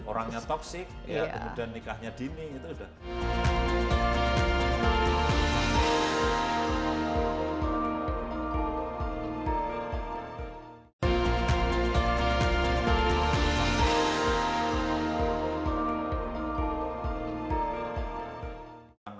orangnya toxic ya kemudian nikahnya dini itu udah